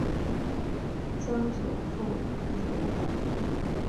曾祖父尹务本。